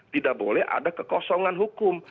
tidak boleh ada kekosongan hukum